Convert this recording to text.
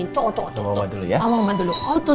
tunggu tunggu dulu ya